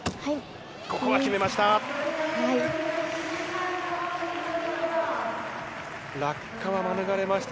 ここは決めました。